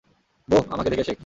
বোহ, আমাকে দেখে শেখ।